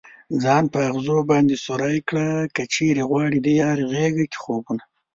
ځان په ازغو باندې سوری كړه كه چېرې غواړې ديار غېږه كې خوبونه